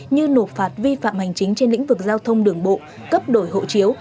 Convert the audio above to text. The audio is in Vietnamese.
như nộp phạt vi phạm hành chính trên lĩnh vực giao thông đường bộ cấp đổi hộ chiếu